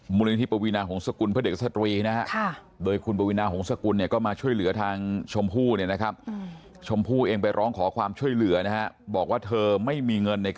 หนูไม่คิดว่าเขาจะทำมากกว่าพี่